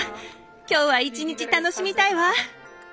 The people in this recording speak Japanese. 今日は一日楽しみたいわ。